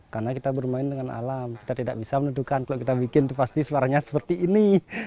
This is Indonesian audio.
karena kita bermain dengan alam kita tidak bisa menentukan kalau kita bikin pasti suaranya seperti ini